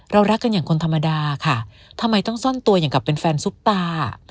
รักกันอย่างคนธรรมดาค่ะทำไมต้องซ่อนตัวอย่างกับเป็นแฟนซุปตา